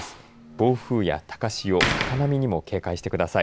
暴風や高潮高波にも警戒してください。